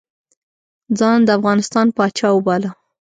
ځان د افغانستان پاچا وباله.